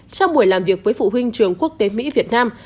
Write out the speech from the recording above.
trong buổi làm việc với phụ huynh trường quốc tế mỹ việt nam